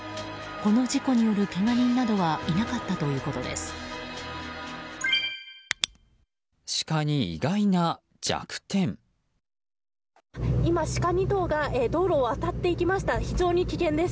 この事故によるけが人などはいなかったということです。